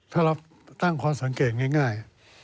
ถ้าเราตั้งข้อสังเกตง่าย